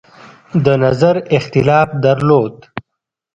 د نظر اختلاف درلود.